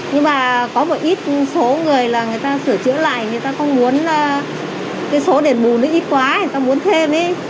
nhưng mà có một ít số người là người ta sửa chữa lại người ta không muốn cái số đền bù nó ít quá người ta muốn thêm ấy